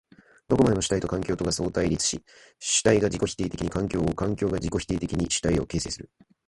どこまでも主体と環境とが相対立し、主体が自己否定的に環境を、環境が自己否定的に主体を形成する。